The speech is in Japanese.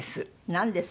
なんです？